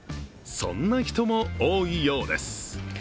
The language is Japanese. そんな人も多いようです。